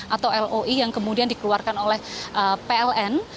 atau loi yang kemudian dikeluarkan oleh pln